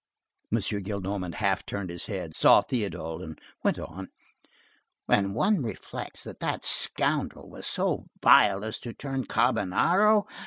M. Gillenormand half turned his head, saw Théodule, and went on:— "When one reflects that that scoundrel was so vile as to turn carbonaro!